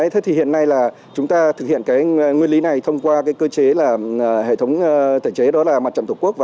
thế thì hiện nay là chúng ta thực hiện cái nguyên lý này thông qua cái cơ chế là hệ thống thể chế đó là mặt trận tổ quốc